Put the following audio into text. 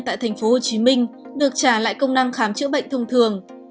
tại tp hcm được trả lại công năng khám chữa bệnh thông thường